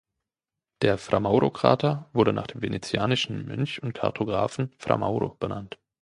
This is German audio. Der Fra-Mauro-Krater wurde nach dem venezianischen Mönch und Kartografen Fra Mauro benannt.